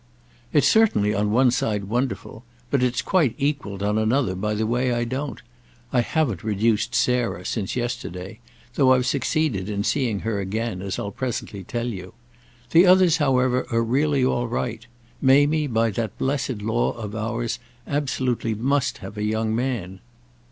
"It's certainly, on one side, wonderful. But it's quite equalled, on another, by the way I don't. I haven't reduced Sarah, since yesterday; though I've succeeded in seeing her again, as I'll presently tell you. The others however are really all right. Mamie, by that blessed law of ours, absolutely must have a young man."